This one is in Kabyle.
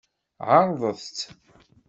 Ɛeṛḍet-t.